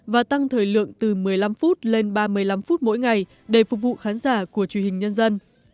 và tăng thời lượng từ một mươi năm phút lên ba mươi năm phút mỗi ngày để phục vụ khán giả của truyền hình nhân dân